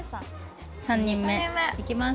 ３人目いきます。